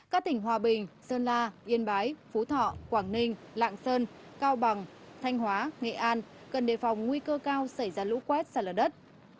các tỉnh hòa bình sơn la yên bái phú thọ quảng ninh lạng sơn cao bằng thanh hóa nghệ an cần đề phòng nguy cơ cao xảy ra lũ quét sạt lở đất